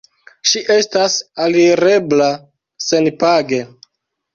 Ŝi estas alirebla senpage.